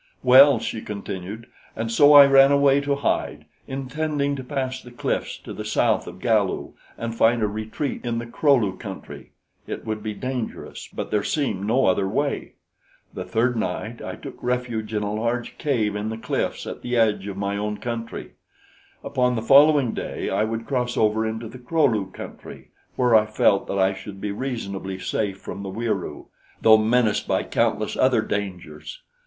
"Well," she continued, "and so I ran away to hide, intending to pass the cliffs to the south of Galu and find a retreat in the Kro lu country. It would be dangerous, but there seemed no other way. "The third night I took refuge in a large cave in the cliffs at the edge of my own country; upon the following day I would cross over into the Kro lu country, where I felt that I should be reasonably safe from the Wieroo, though menaced by countless other dangers.